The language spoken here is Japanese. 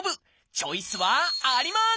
チョイスはあります！